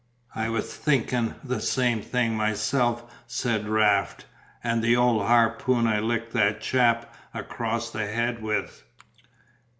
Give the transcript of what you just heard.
"I was thinkin' the same thing myself," said Raft, "and the old harpoon I licked that chap across the head with."